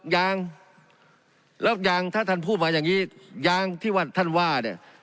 ยังแล้วยังถ้าท่านพูดมาอย่างนี้ยางที่ว่าท่านว่าเนี่ย